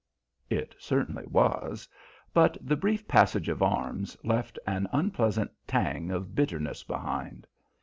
It certainly was, but the brief passage of arms left an unpleasant tang of bitterness behind.